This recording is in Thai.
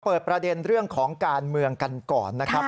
เปิดประเด็นเรื่องของการเมืองกันก่อนนะครับ